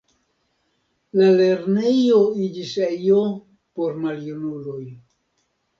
La lernejo iĝis ejo por maljunuloj.